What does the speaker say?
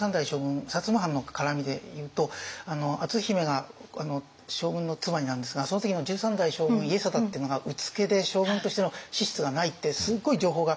摩藩の絡みでいうと篤姫が将軍の妻になるんですがその時の十三代将軍家定っていうのがうつけで将軍としての資質がないってすごい情報が流れるんですね。